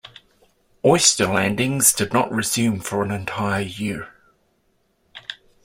Oyster landings did not resume for an entire year.